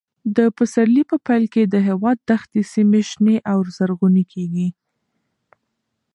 د پسرلي په پیل کې د هېواد دښتي سیمې شنې او زرغونې کېږي.